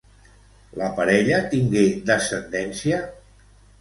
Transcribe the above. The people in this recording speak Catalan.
La parella tingué descendència?